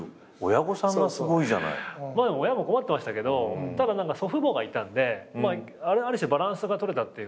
親も困ってましたけどただ祖父母がいたんである種バランスが取れたっていうか。